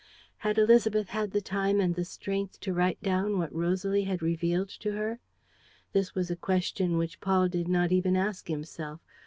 Had Élisabeth had the time and the strength to write down what Rosalie had revealed to her? This was a question which Paul did not even ask himself.